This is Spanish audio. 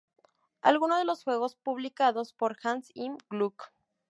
Algunos de los juegos publicados por Hans im Glück